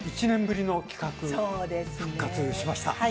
１年ぶりの企画復活しました。